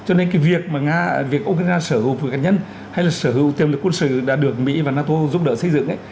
cho nên cái việc mà nga việc ukraine sở hữu hạt nhân hay là sở hữu tiềm lực quân sự đã được mỹ và nato giúp đỡ xây dựng